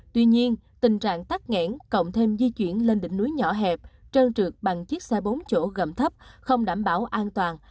tuy nhiên tình trạng tắt nghẽn cộng thêm di chuyển lên đỉnh núi nhỏ hẹp trơn trượt bằng chiếc xe bốn chỗ gầm thấp không đảm bảo an toàn